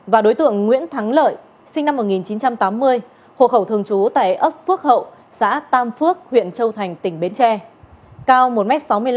và đối tượng nguyễn thắng lợi sinh năm một nghìn chín trăm tám mươi hộ khẩu thường trú tại ấp phước hậu xã tam phước huyện châu thành tỉnh bến tre cao một m sáu mươi năm